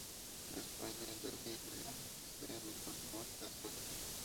En España, "I'm Dying Up Here" se emitió por Movistar Series.